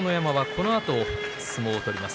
このあと相撲を取ります。